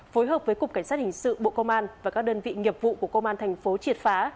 phối hợp với cục cảnh sát hình sự bộ công an và các đơn vị nghiệp vụ của công an thành phố triệt phá